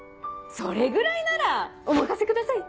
それぐらいならお任せください！